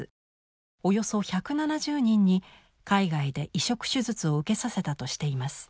およそ１７０人に海外で移植手術を受けさせたとしています。